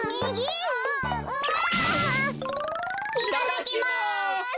いただきます！